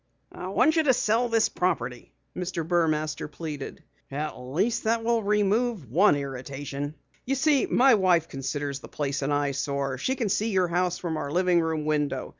"I want you to sell this property," Mr. Burmaster pleaded. "At least that will remove one irritation. You see, my wife considers the place an eyesore. She can see your house from our living room window.